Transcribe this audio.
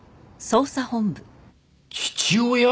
父親？